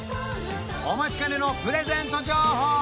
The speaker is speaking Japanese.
お待ちかねのプレゼント情報